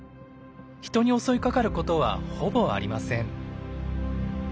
人に襲いかかることはほぼありません。